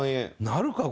なるか？